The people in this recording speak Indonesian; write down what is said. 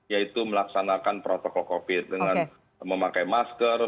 yaitu melaksanakan protokol covid dengan memakai masker